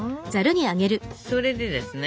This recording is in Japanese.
それでですね